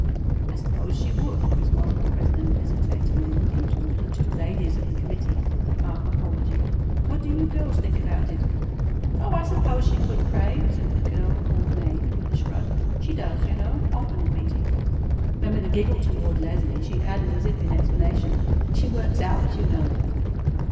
"I suppose she would," responded the president hesitatingly, looking toward the two ladies of the committee with a half apology. "What do you girls think about it?" "Oh, I suppose she could pray," said the girl called Mame, with a shrug. "She does, you know, often in meeting." Then with a giggle toward Leslie she added as if in explanation, "She works out, you know."